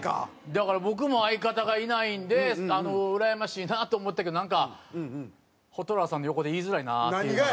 だから僕も相方がいないんでうらやましいなと思ったけどなんか蛍原さんの横で言いづらいなっていうのは。